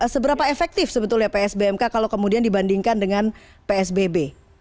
seberapa efektif sebetulnya psbmk kalau kemudian dibandingkan dengan psbb